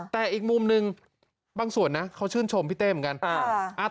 แต่อีกมุมหนึ่งบางส่วนนะเขาชื่นชมพี่เต้เหมือนกัน